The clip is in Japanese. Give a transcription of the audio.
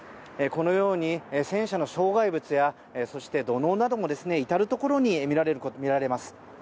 このように戦車の障害物やそして土のうなども至るところに見られます。